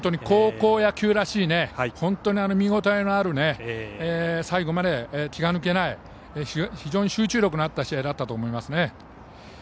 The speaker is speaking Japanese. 高校野球らしい本当に見応えのある最後まで気が抜けない集中力のあった試合だったと思います。